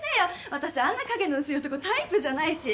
私あんな影の薄い男タイプじゃないし。